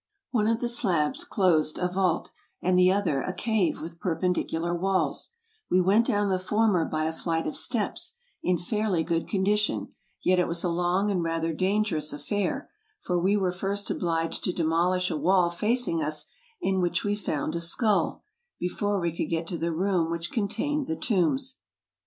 One of the slabs closed a vault, and the other a cave with perpendicular walls; we went down the former by a flight of steps, in fairly good condition, yet it was along and rather dangerous affair, for we were first obliged to demolish a wall facing us, in which we found a skull, before we could get to the room which contained the tombs.